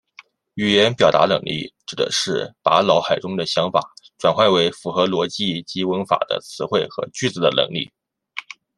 语言表达能力指的是把脑海中的想法转换为符合逻辑及文法的词汇和句子的能力。